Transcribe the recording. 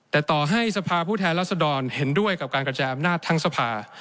แต่ต่อให้สภาพผู้แทนรัศดรเห็นด้วยกับการกระจายอำนาจทั้งสภา